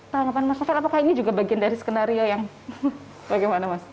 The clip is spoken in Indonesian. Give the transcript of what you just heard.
tentang apaan mas afan apakah ini juga bagian dari skenario yang bagaimana mas